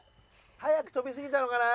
早く跳びすぎたのかな。